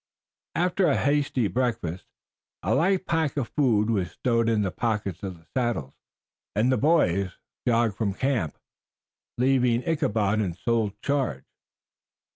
After a hasty breakfast a light pack of food was stowed in the pockets of the saddles, and the boys jogged from the camp, leaving Ichabod in sole charge.